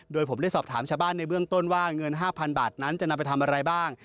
โดยผมได้สอบถามชาวบ้านในเบื้องต้นว่าเงิน๕๐๐๐บาทนั้นจะนำไปทำอะไรบ้าง